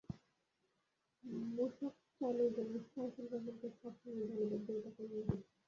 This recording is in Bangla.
মূসক চালুর জন্য সাইফুর রহমানকে সব সময়ই ধন্যবাদ দিয়ে থাকেন মুহিত।